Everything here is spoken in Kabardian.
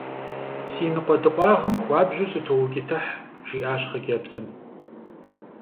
- Си ныкъуэдыкъуагъым хуабжьу сытоукӀытыхь, - жиӏащ хъыджэбзым.